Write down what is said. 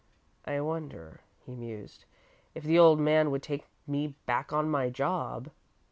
"I wonder," he mused, "if the old man would take me back on my job?